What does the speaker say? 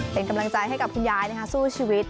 เป็นกำลังใจให้กับคุณยายสู้ชีวิต